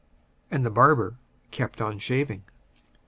And the barber kept on shaving.